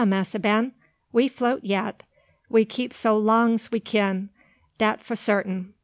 Massa Ben. We float yet, we keep so long 's we kin, dat fo' sartin.